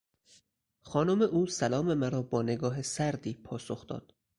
خانم او سلام مرا با نگاه سردی پاسخ داد.